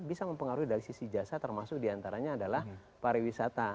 bisa mempengaruhi dari sisi jasa termasuk diantaranya adalah pariwisata